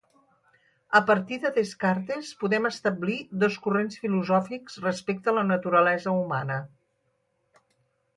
A partir de Descartes podem establir dos corrents filosòfics respecte a la naturalesa humana.